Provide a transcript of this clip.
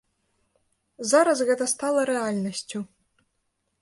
Зараз гэта стала рэальнасцю.